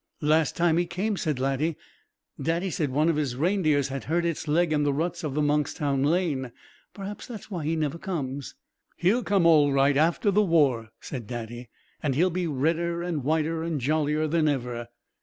"Last time he came," said Laddie, "Daddy said one of his reindeers had hurt its leg in the ruts of the Monkstown Lane. Perhaps that's why he never comes." "He'll come all right after the war," said Daddy, "and he'll be redder and whiter and jollier than ever."